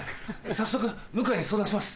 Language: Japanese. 早速向井に相談します。